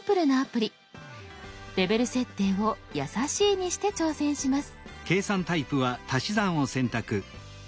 レベル設定を「やさしい」にして挑戦します。